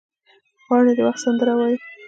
پاڼې د وخت سندره وایي